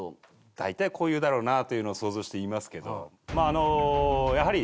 大体こう言うだろうなというのを想像して言いますけど。